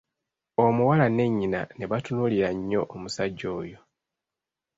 Omuwala ne nnyina ne batunuulira nnyo omusajja oyo.